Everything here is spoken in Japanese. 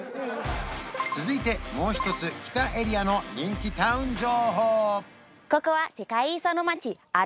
続いてもう一つ北エリアの人気タウン情報！